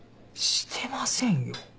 してませんよ